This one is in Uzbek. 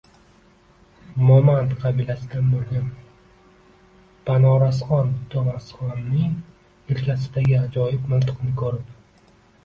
Momand qabilasidan bo’lgan Banorasxon To’masxonning yelkasidagi ajoyib miltiqni ko’rib